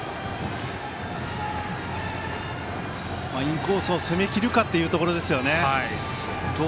インコースを攻めきるかというところですね。